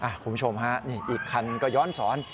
คุณผู้ชมฮะนี่อีกคันก็ย้อนสอน